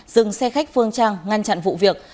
dừng xe khách phương trang ngăn chặn vụ việc